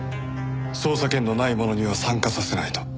捜査権のない者には参加させないと。